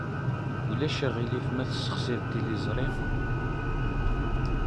Ulac aɣilif ma tessexsiḍ tiliẓri?